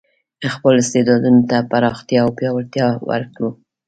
خپل استعدادونو ته پراختیا او پیاوړتیا ورکړو.